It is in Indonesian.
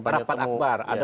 rapat akbar ada